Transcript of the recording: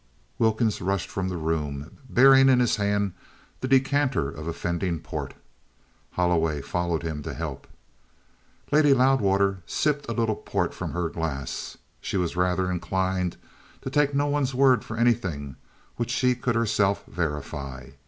Wilkins rushed from the room bearing in his hand the decanter of offending port; Holloway followed him to help. Lady Loudwater sipped a little port from her glass. She was rather inclined to take no one's word for anything which she could herself verify.